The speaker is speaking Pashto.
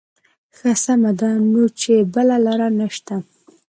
ښه سمه ده نو چې بله لاره نه شته.